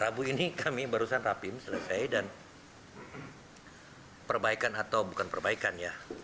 rabu ini kami baru saja rapim selesai dan perbaikan atau bukan perbaikan